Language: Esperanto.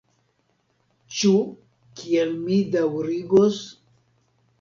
Ĉu kiel mi daŭrigos?..